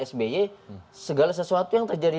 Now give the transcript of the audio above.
sby segala sesuatu yang terjadi